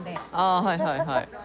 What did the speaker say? あはいはいはい。